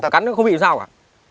cắn nó không bị sao cả